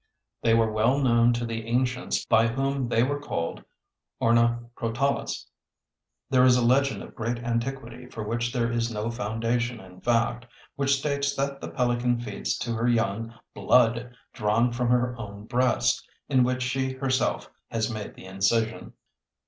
They were well known to the ancients by whom they were called Ornacrotalus. There is a legend of great antiquity for which there is no foundation in fact, which states that the pelican feeds to her young blood drawn from her own breast, in which she herself has made the incision.